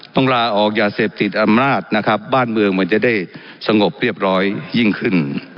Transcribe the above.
ลาออกอย่าเสพติดอำนาจนะครับบ้านเมืองมันจะได้สงบเรียบร้อยยิ่งขึ้น